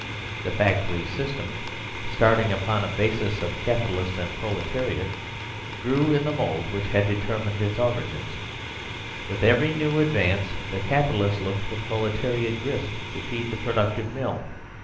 The factory system, starting upon a basis 75 THE SERVILE STATE of capitalist and proletariat, grew in the mould which had determined its origins. With every new advance the capitalist looked for proletariat grist to feed the productive mill.